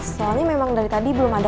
soalnya memang dari tadi belum ada